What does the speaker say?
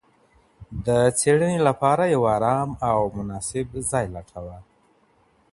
د څېړني لپاره یو ارام او مناسب ځای لټوه.